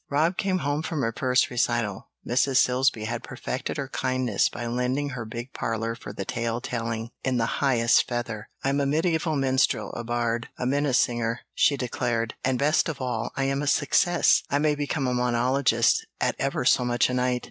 Rob came home from her first recital Mrs. Silsby had perfected her kindness by lending her big parlor for the tale telling in the highest feather. "I'm a mediæval minstrel, a bard, a minne singer," she declared. "And, best of all, I'm a success. I may become a monologist, at ever so much a night.